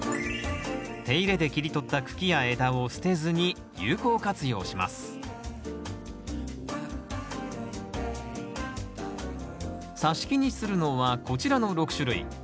手入れで切り取った茎や枝を捨てずに有効活用しますさし木にするのはこちらの６種類。